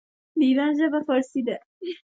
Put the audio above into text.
پر دوی په سیاسي او نظامي ډګرونو روحیه غالبه وه.